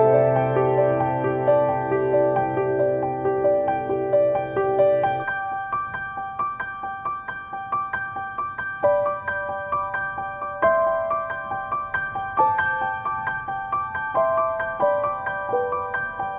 มันต้องรอแค่ไหนคุณก็จะไม่ได้รับโอกาส